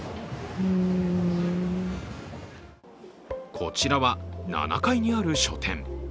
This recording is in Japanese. こちらは７階にある書店。